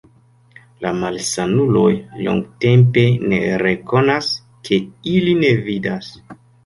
La malsanuloj longtempe ne rekonas, ke ili ne vidas.